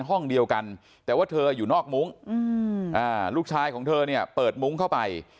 ห้องเดียวกันแต่ว่าเธออยู่นอกมุ้งลูกชายของเธอเนี่ยเปิดมุ้งเข้าไป